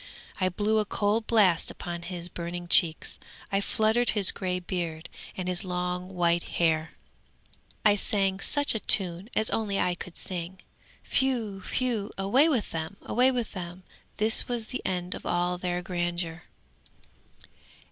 I blew a cold blast upon his burning cheeks, I fluttered his grey beard and his long white hair; I sang such a tune as only I could sing. Whew! whew! away with them! away with them! This was the end of all their grandeur.